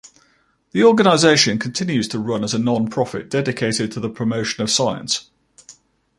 The organization continues to run as a non-profit dedicated to the promotion of science.